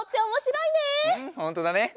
うんほんとだね。